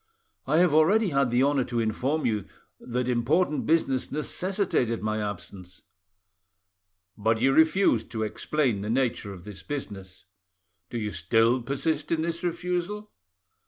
"I have already had the honour to inform you that important business necessitated my absence." "But you refused to explain the nature of this business. Do you still persist in this refusal?"